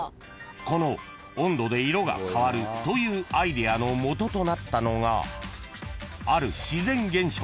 ［この温度で色が変わるというアイデアのもととなったのがある自然現象］